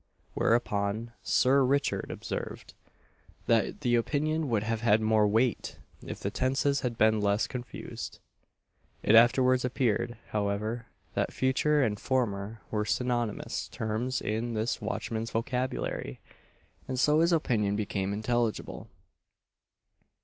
Whereupon, Sir RICHARD observed, that the opinion would have had more weight, if the tenses had been less confused. It afterwards appeared, however, that future and former were synonymous terms in this watchman's vocabulary, and so his opinion became intelligible.